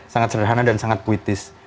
sangat sederhana dan sangat kritis